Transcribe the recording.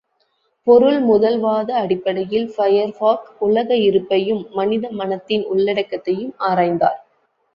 பொருள் முதல்வாத அடிப்படையில் ஃபயர்பாக் உலக இருப்பையும், மனித மனத்தின் உள்ளடக்கத்தையும் ஆராய்ந்தார்.